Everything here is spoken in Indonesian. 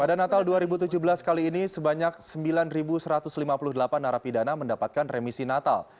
pada natal dua ribu tujuh belas kali ini sebanyak sembilan satu ratus lima puluh delapan narapidana mendapatkan remisi natal